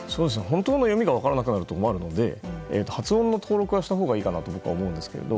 本当の読みが分からなくなると困るので発音の登録はしたほうがいいかなとは思うんですけど。